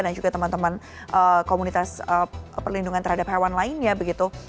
dan juga teman teman komunitas perlindungan terhadap hewan lainnya begitu